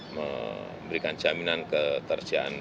memberikan jaminan ketersediaan